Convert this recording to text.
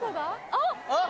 あっ！